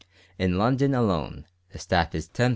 In London alone the staff is 10,665.